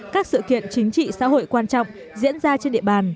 các sự kiện chính trị xã hội quan trọng diễn ra trên địa bàn